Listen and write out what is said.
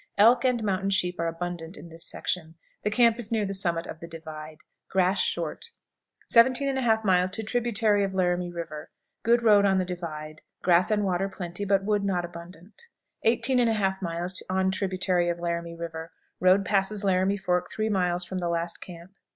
Elk and mountain sheep are abundant in this section. The camp is near the summit of the divide. Grass short. 17 1/2. Tributary of Laramie River. Good road on the divide. Grass and water plenty, but wood not abundant. 18 1/2. Tributary of Laramie River. Road passes Laramie Fork three miles from the last camp.